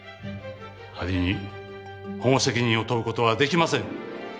アリに保護責任を問う事はできません。